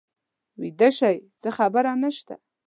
ویده شئ څه خبره نه شته.